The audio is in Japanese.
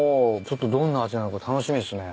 ちょっとどんな味なのか楽しみっすね。